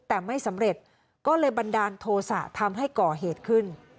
แต่ไม่สำเร็จก็เลยบันดาลโทษะทำให้ก่อเหตุขึ้น